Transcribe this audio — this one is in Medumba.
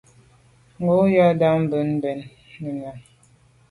Ndù à ba mbwon mbèn mbe mènnenùne.